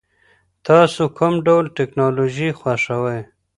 تاسو کوم ډول ټیکنالوژي خوښوئ؟